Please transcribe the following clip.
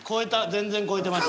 全然超えてました。